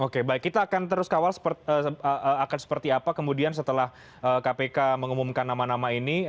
oke baik kita akan terus kawal akan seperti apa kemudian setelah kpk mengumumkan nama nama ini